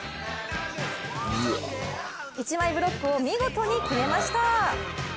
一枚ブロックを見事に決めました！